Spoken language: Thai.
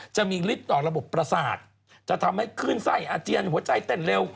จะมีฤทธิ์ต่อระบบประสาทจะทำให้ขึ้นไส้อาเจียนหัวใจเต้นเร็ว